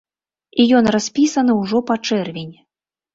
І ён распісаны ўжо па чэрвень.